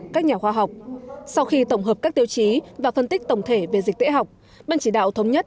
các nhà khoa học sau khi tổng hợp các tiêu chí và phân tích tổng thể về dịch tễ học ban chỉ đạo thống nhất